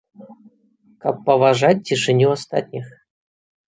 Каб паважаць цішыню астатніх.